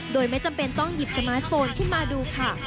โดยไม่จำเป็นต้องหยิบสมาร์ทโฟนขึ้นมาดูค่ะ